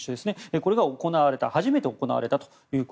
これが初めて行われたと。